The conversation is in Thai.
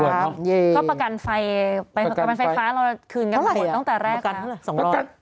ก็ประกันไฟฟ้าเราคืนกันหมดตั้งแต่แรกครับ